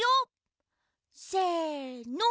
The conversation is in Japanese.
せの！